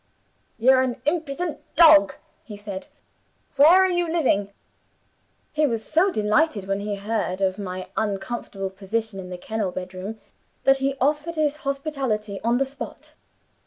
'You're an impudent dog,' he said; 'where are you living?' He was so delighted when he heard of my uncomfortable position in the kennel bedroom, that he offered his hospitality on the spot.